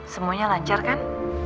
semuanya lancar kan